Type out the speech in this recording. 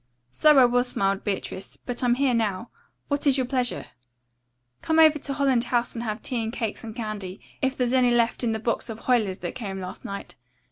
"So I was," smiled Beatrice, "but I'm here now. What is your pleasure?" "Come over to Holland House and have tea and cakes and candy, if there's any left in the box of Huyler's that came last night.